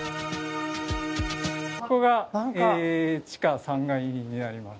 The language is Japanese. ここが地下３階になります